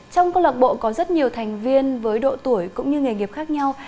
trong câu lạc bộ có rất nhiều thành viên với độ tuổi cũng như nghề nghiệp khác nhau